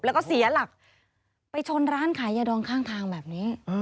แล้วก็เสียหลักไปชนร้านขายยาดองข้างทางแบบนี้